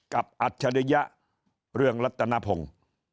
อัจฉริยะเรืองรัตนพงศ์